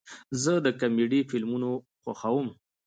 زه کامیډي فلمونه خوښوم